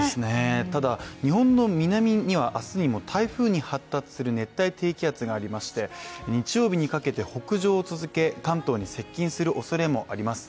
ただ日本の南には明日にも台風に発達する熱帯低気圧がありまして日曜日にかけて北上を続け、関東に接近するおそれもあります。